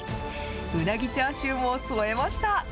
ウナギチャーシューも添えました。